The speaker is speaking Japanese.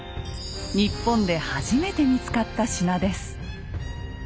日本で初めて見つかった品です。